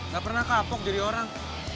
gak pernah kapok jadi orang